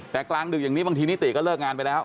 แต่กลางดึกอย่างนี้บางทีนิติก็เลิกงานไปแล้ว